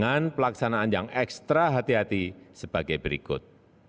dan pelaksanaan yang ekstra hati hati sebagai berikut